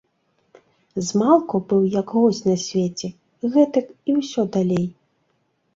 Змалку быў як госць на свеце, гэтак і ўсё далей.